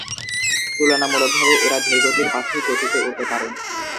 তুলনামূলকভাবে এরা ধীরগতির পাখি, গতিতে উড়তে পারে।